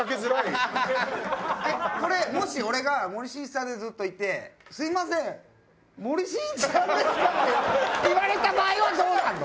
これもし俺が森進一さんでずっといて「すみません森進一さんですか？」って言われた場合はどうなるの？